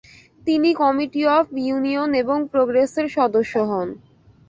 তিনি committee of union and প্রোগ্রেসের সদস্য হন।